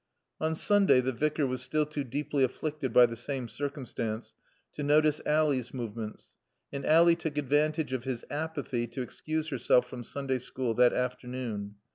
On Sunday the Vicar was still too deeply afflicted by the same circumstance to notice Ally's movements, and Ally took advantage of his apathy to excuse herself from Sunday school that afternoon.